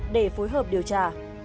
để phối hợp điều tra